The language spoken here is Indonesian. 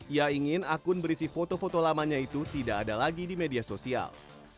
ia ingin akun berisi foto foto lamanya itu tidak ada lagi di media sosial